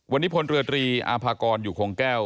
วันนี้พลเรือตรีอาภากรอยู่คงแก้ว